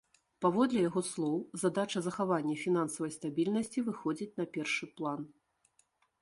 Паводле яго слоў, задача захавання фінансавай стабільнасці выходзіць на першы план.